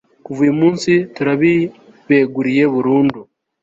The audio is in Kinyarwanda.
kuva uyu munsi turabibeguriye burundu